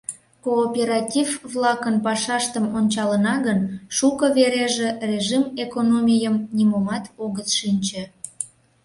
Кооператив-влакын пашаштым ончалына гын, шуко вереже «режим экономийым» нимомат огыт шинче.